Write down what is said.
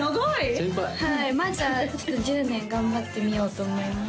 先輩はいまずは１０年頑張ってみようと思います